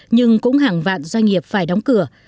nhưng cũng hàng vạn doanh nghiệp phải đóng cửa